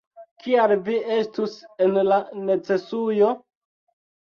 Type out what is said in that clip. Kial vi estus en la necesujo?